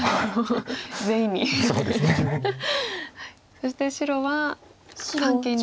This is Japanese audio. そして白は三間に。